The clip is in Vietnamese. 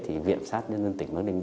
viện kiểm sát nhân dân tỉnh bắc ninh